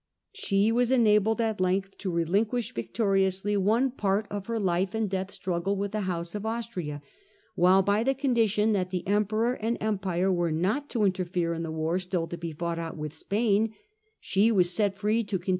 She was enabled at length to relinquish victori ously one part of her life and death struggle with the house of Austria ; while, by the condition that the Emperor and Empire were not to interfere in the war still to be® fought out with Spain, she was set free to con 1648.